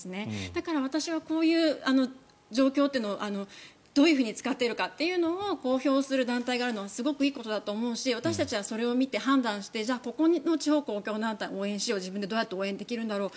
だから、私はこういう状況ってどういうふうに使ってるかを公表する団体があるのはすごくいいことだと思うし私たちはそれを見て判断してここの地方公共団体を応援しよう自分でどうやって応援できるんだろう